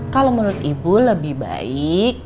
kalau menurut ibu lebih baik